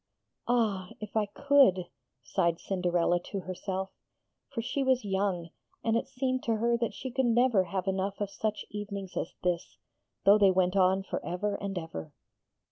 'Ah, if I could! 'sighed Cinderella to herself: for she was young, and it seemed to her that she could never have enough of such evenings as this, though they went on for ever and ever.